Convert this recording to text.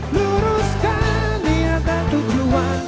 luruskan niat dan tujuan